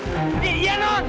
tunggu sana nur